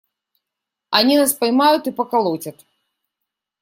Они нас поймают и поколотят.